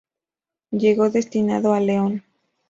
Llegó destinado a León.